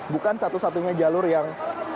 bukan satu satunya jalur yang